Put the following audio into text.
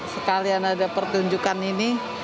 sekalian ada pertunjukan ini